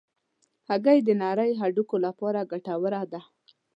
هګۍ د نرۍ هډوکو لپاره ګټوره ده.